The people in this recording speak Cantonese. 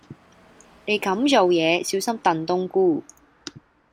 你咁做野，小心燉冬菇